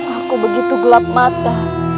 aku begitu gelap mata